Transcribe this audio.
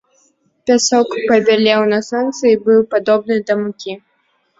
Пясок пабялеў на сонцы і быў падобны да мукі.